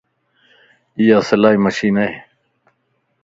ايا سلائي مشين ائي